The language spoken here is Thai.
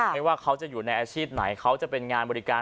ไม่ว่าเขาจะอยู่ในอาชีพไหนเขาจะเป็นงานบริการ